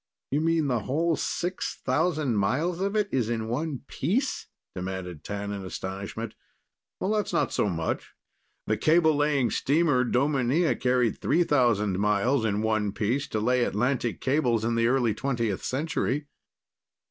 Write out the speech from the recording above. "You mean the whole 6,000 miles of it's in one piece?" demanded T'an in astonishment. "That's not so much. The cable laying steamer Dominia carried 3,000 miles in one piece to lay Atlantic cables in the early 20th century."